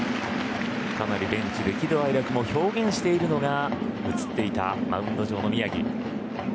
かなりベンチで喜怒哀楽も表現しているのが映っていたマウンド上の宮城。